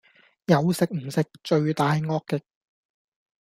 有食唔食，罪大惡極